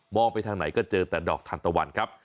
ไปทางไหนก็เจอแต่ดอกทันตะวันครับ